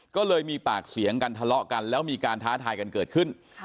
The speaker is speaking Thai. ก็เลยมีปากเสียงกันทะเลาะกันแล้วมีการท้าทายกันเกิดขึ้น